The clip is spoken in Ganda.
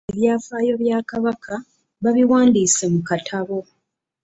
Ebyafaayo bya Kabaka babiwandiise mu katabo.